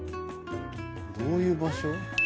どういう場所？